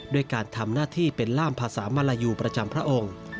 ด้วยการทำหน้าที่เป็นล่ามภาษามาลายูประจำพระองค์